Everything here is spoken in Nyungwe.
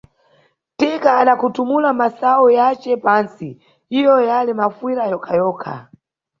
Thika adakhuthumula masayu yace pansi, iyo yali mafuyira yokha-yokha.